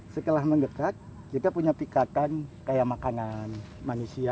setelah mendekat kita punya pikatan kayak makanan manusia